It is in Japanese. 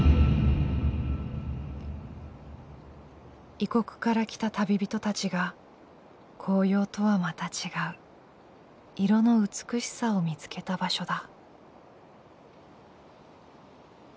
異国から来た旅人たちが紅葉とはまた違う色の美しさを見つけた場所だ。